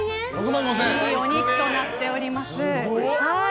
いいお肉となっております。